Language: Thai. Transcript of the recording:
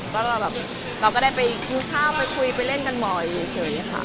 แล้วเราก็ได้ไปกินข้าวไปคุยไปเล่นกันหมดเฉยค่ะ